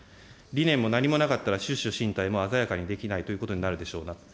理念も何もなかったら、出処進退も鮮やかにできないということになるでしょうなと。